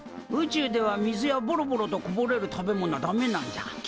宇宙では水やボロボロとこぼれる食べ物はダメなんじゃ。